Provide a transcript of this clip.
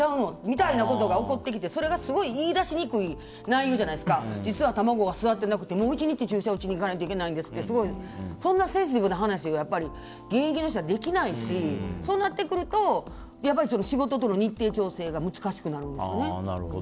みたいなことが起こってきてすごい言い出しにくい内容で実は卵が育ってなくてもう１日、注射を打ちに行かなきゃいけないんですってそんなセンシティブな話できないしそうなってくると仕事との日程調整が難しくなるんですね。